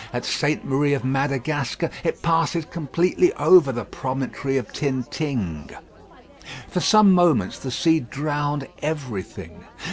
At Saint Mary of Madagascar it passes completely over the promontory of Tintingue. For some moments the sea drowned everything.